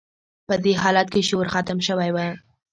په دې حالت کې شعور ختم شوی و